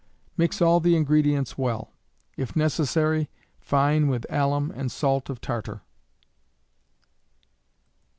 Mix all the ingredients well; if necessary, fine with alum and salt of tartar.